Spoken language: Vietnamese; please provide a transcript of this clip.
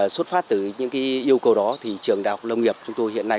xuất phát từ những yêu cầu đó thì trường đào tạo lâm nghiệp chúng tôi hiện nay